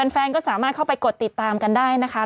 แฟนก็สามารถเข้าไปกดติดตามกันได้นะคะ